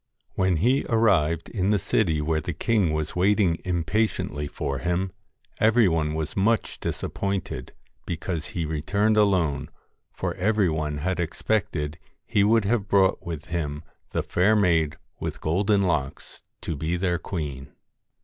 When he arrived in the city where the king was waiting impatiently for him, every one was much disappointed because he returned alone, for every one had expected he would have brought with him the fair maid with golden locks to be their queen.